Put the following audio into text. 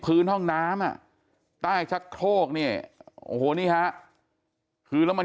พื้นห้องน้ำอ่ะใต้ชักโครกเนี่ยโอ้โหนี่ฮะคือแล้วมัน